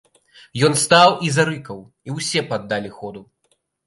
Ён стаў і зарыкаў, і ўсе паддалі ходу.